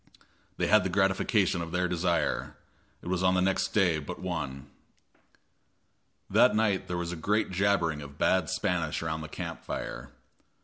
They had the gratification of their desire; it was on the next day but one. That night there was a great jabbering of bad Spanish around the camp fire.